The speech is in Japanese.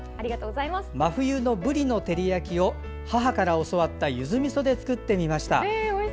真冬のぶりの照り焼きを母から教わったゆずみそで作ってみました。